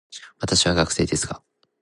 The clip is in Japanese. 私は学生ですが、